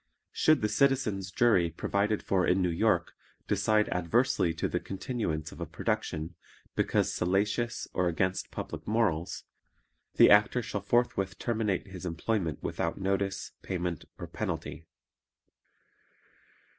Should the Citizens' Jury provided for in New York decide adversely to the continuance of a production because salacious or against public morals, the Actor shall forthwith terminate his employment without notice, payment or penalty.